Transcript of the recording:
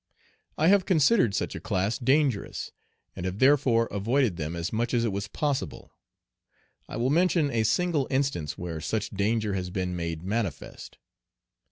I have considered such a class dangerous, and have therefore avoided them as much as it was possible. I will mention a single instance where such danger has been made manifest.